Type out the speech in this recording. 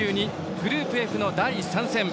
グループＦの第３戦。